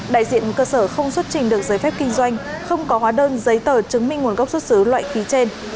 đại diện cơ sở không xuất trình được giấy phép kinh doanh không có hóa đơn giấy tờ chứng minh nguồn gốc xuất xứ loại khí trên